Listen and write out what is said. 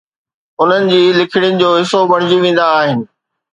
انهن جي لکڻين جو حصو بڻجي ويندا آهن